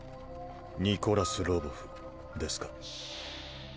ニコラス・ロヴォフですか。